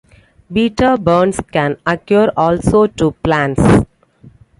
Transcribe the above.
Beta burns can occur also to plants.